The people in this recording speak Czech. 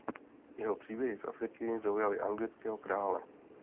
Jeho příběhy z Afriky zaujaly anglického krále.